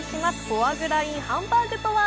フォアグラｉｎハンバーグとは？